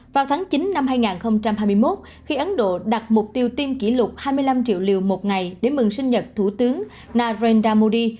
vào tháng chín năm hai nghìn hai mươi một khi ấn độ đặt mục tiêu tiêm kỷ lục hai mươi năm triệu liều một ngày để mừng sinh nhật thủ tướng narendra modi